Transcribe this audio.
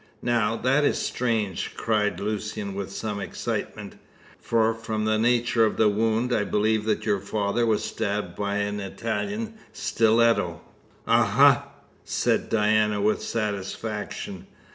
"Now, that is strange," cried Lucian, with some excitement, "for, from the nature of the wound, I believe that your father was stabbed by an Italian stiletto." "Aha!" said Diana, with satisfaction.